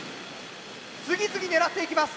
次々狙っていきます。